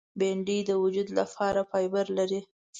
بېنډۍ د وجود لپاره فایبر لري